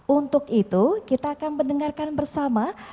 untuk itu kita akan mendengarkan bersama